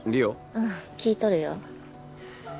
うん聞いとるよ